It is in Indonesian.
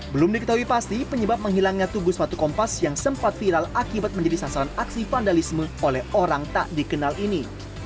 belum diketahui pasti penyebab menghilangnya tubuh sepatu kompas yang sempat viral akibat menjadi sasaran aksi vandalisme oleh orang tak dikenal ini